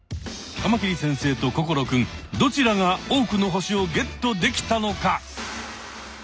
カマキリ先生と心くんどちらが多くの星をゲットできたのか。